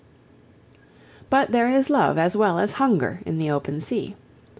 But there is love as well as hunger in the open sea.